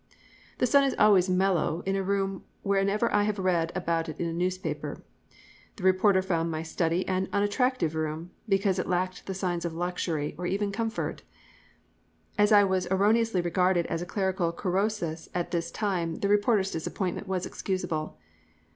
The sun is always "mellow" in a room whenever I have read about it in a newspaper. The reporter found my study "an unattractive room," because it lacked the signs of "luxury" or even "comfort." As I was erroneously regarded as a clerical Croesus at this time the reporter's disappointment was excusable.